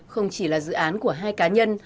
không chỉ là dự án của hai cá nhân